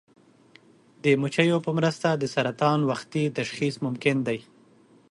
د مچیو په مرسته د سرطان وختي تشخیص ممکن دی.